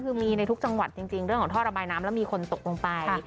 คือมีในทุกจังหวัดจริงเรื่องของท่อระบายน้ำแล้วมีคนตกลงไป